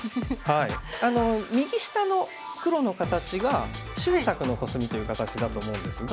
右下の黒の形が秀策のコスミという形だと思うんですが。